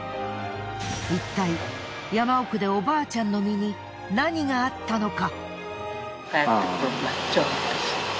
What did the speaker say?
いったい山奥でおばあちゃんの身に何があったのか？